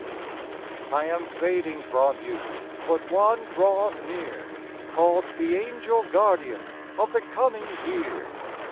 T AM fading from you, A But one draweth near, Called the Angel guardian Of the coming year.